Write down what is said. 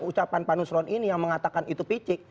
ucapan pak nusron ini yang mengatakan itu picik